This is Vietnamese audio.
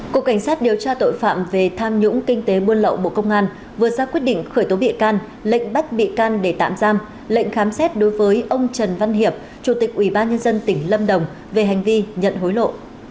cục cảnh sát điều tra tội phạm về tham nhũng kinh tế buôn lậu bộ công an vừa ra quyết định khởi tố bị can lệnh bắt bị can để tạm giam lệnh khám xét đối với ông trần văn hiệp chủ tịch ubnd tỉnh lâm đồng về hành vi nhận hối lộ